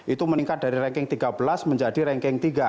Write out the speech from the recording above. itu meningkat dari ranking tiga belas menjadi ranking tiga